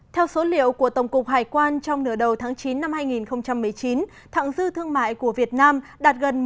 theo số liệu của tổng cục hải quan trong nửa đầu tháng chín năm hai nghìn một mươi chín thẳng dư thương mại của việt nam đạt gần một trăm chín mươi chín